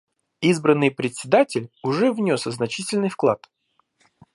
Избранный Председатель уже внес значительный вклад.